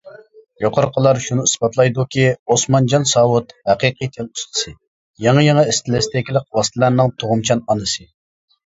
يۇقىرىقىلار شۇنى ئىسپاتلايدۇكى، ئوسمانجان ساۋۇت ھەقىقىي تىل ئۇستىسى، يېڭى-يېڭى ئىستىلىستىكىلىق ۋاسىتىلەرنىڭ تۇغۇمچان ئانىسى.